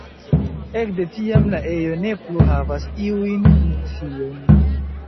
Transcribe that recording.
Ekde tiam la ejo ne plu havas iun funkcion.